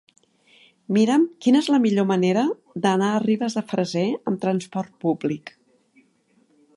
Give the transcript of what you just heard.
Mira'm quina és la millor manera d'anar a Ribes de Freser amb trasport públic.